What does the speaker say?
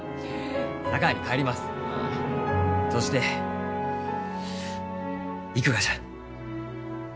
そして行くがじゃ。